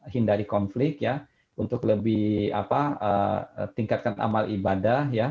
hindari konflik ya untuk lebih tingkatkan amal ibadah